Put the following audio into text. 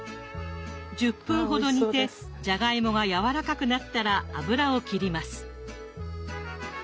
１０分ほど煮てじゃがいもがやわらかくなったら油を切ります。